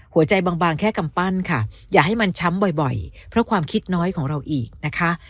บางบางแค่กำปั้นค่ะอย่าให้มันช้ำบ่อยเพราะความคิดน้อยของเราอีกนะคะ